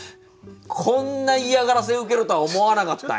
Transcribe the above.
こんな嫌がらせを受けるとは思わなかったよ。